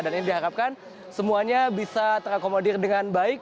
dan ini diharapkan semuanya bisa terakomodir dengan baik